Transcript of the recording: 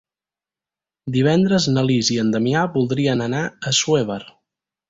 Divendres na Lis i en Damià voldrien anar a Assuévar.